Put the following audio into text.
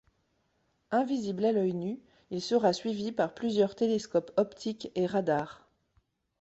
Invisible à l'œil nu, il sera suivi par plusieurs télescopes optiques et radar.